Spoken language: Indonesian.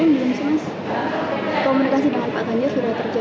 komunikasi dengan pak ganjar sudah terjalin